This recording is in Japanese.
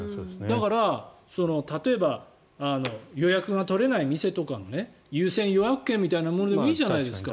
だから、例えば予約が取れない店とかの優先予約券みたいなものでもいいじゃないですか。